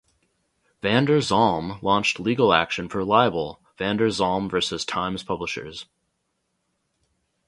Vander Zalm launched legal action for libel, "Vander Zalm versus Times Publishers".